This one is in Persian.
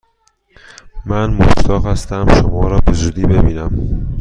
من مشتاق هستم شما را به زودی ببینم!